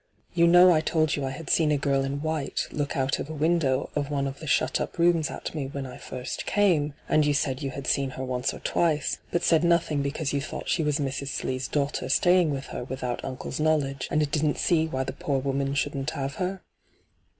You know I told you I had seen a girl in white look out of a window of one of the shut up rooms at me when I first came, and you said you had seen her once or twice, but said nothing because you thought she was Mrs. Slee's daughter staying with her without uncle's knowledge, and didn't see why tiie poor woman shouldn't have her